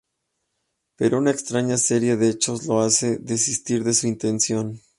Pero una extraña serie de hechos le hace desistir de su intención.